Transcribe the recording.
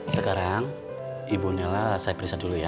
sekarang ibu nella saya periksa dulu ya